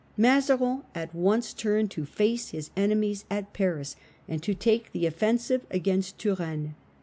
Mazarin at once turned to face his enemies at Paris and to take the offensive against Turenne.